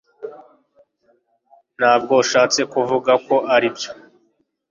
ntabwo ushatse kuvuga ko, aribyo